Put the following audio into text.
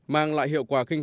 mang lại hiệu quả kinh tế